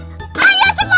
ayo semuanya merawat